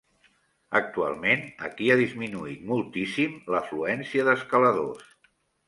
Actualment, aquí ha disminuït moltíssim l'afluència d'escaladors.